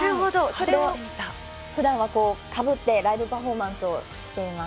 ふだんは、これをかぶってライブパフォーマンスしています。